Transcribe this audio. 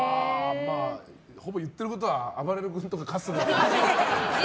ほぼ言ってることはあばれる君とか春日とかと。